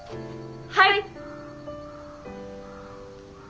はい！